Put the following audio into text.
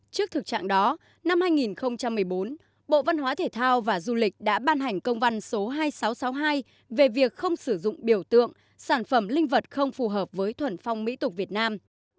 trước thực trạng đó năm hai nghìn một mươi bốn bộ văn hóa thể thao và du lịch đã ban hành công văn số hai nghìn sáu trăm sáu mươi hai về việc không sử dụng biểu tượng sản phẩm linh vật không phù hợp với thuần phong mỹ tục việt nam